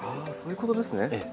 あそういうことですね。